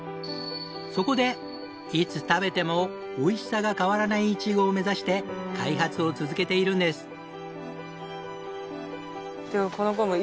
そこでいつ食べてもおいしさが変わらないイチゴを目指して開発を続けているんです。